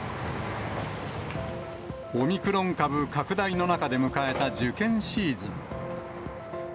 オミクロン株拡大の中で迎えた受験シーズン。